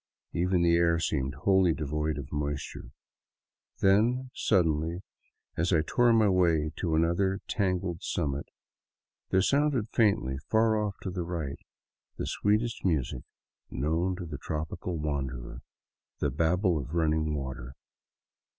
Even the air seemed wholly devoid of moisture. Then suddenly, as I tore my way to another tangled summit, there sounded faintly, far off to the right, the sweetest music known to the tropical wanderer, — the babble of running water.